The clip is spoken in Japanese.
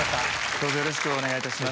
どうぞよろしくお願い致します。